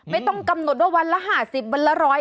ไม่ต้องกำหนดว่าวันละ๕๐วันละ๑๐๐